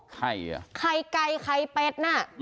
ไข่ไก่ไข่เป็ด